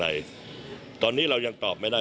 แหมตอนนี้คนที่